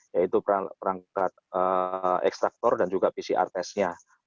yaitu perangkat ekstraktor dan juga pcr test nya